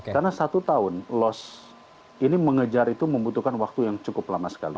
karena satu tahun ini mengejar itu membutuhkan waktu yang cukup lama sekali